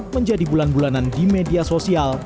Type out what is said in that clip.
menjadi bulan bulanan di media sosial